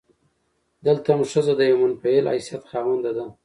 دلته هم ښځه د يوه منفعل حيثيت خاونده ده.